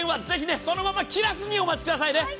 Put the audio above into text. ぜひねそのまま切らずにお待ちくださいね。